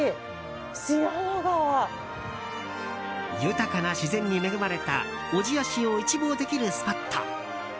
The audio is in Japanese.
豊かな自然に恵まれた小千谷市を一望できるスポット。